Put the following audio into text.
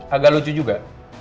agak lucu juga